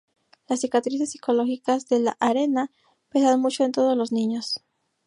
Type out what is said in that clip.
Las cicatrices psicológicas de la "Arena" pesan mucho en todos los niños.